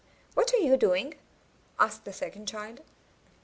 *'What are you doing?'' asked the second child.